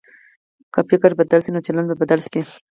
که فکر بدل شي، نو چلند به بدل شي.